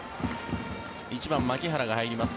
１番、牧原が入ります。